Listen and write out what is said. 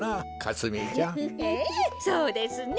ええそうですね。